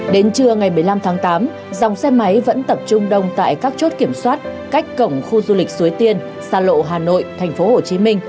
đến trưa ngày một mươi năm tháng tám dòng xe máy vẫn tập trung đông tại các chốt kiểm soát cách cổng khu du lịch suối tiên xa lộ hà nội tp hcm